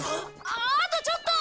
あああとちょっと。